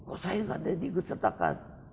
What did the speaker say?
oh saya kan ada yang diikutsertakan